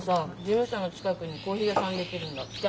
事務所の近くにコーヒー屋さんできるんだって。